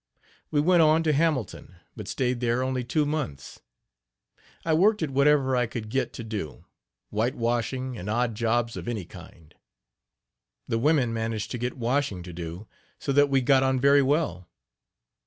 We went on to Hamilton, but stayed there only two months. I worked at whatever I could get to do whitewashing and odd jobs of any kind. The women managed to get washing to do, so that we got on very well.